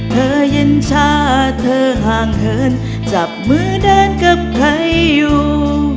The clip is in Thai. เย็นชาเธอห่างเหินจับมือเดินกับใครอยู่